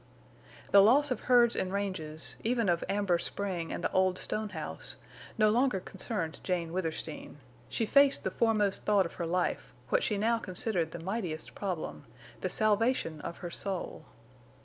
The loss of herds and ranges, even of Amber Spring and the Old Stone House, no longer concerned Jane Withersteen, she faced the foremost thought of her life, what she now considered the mightiest problem—the salvation of her soul.